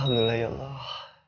alhamdulillah ya allah